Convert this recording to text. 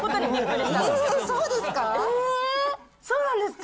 そうなんですか？